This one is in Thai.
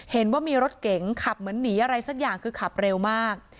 เห็นว่ามีรถเก๋งขับเหมือนหนีอะไรสักอย่างคือขับเร็วมาก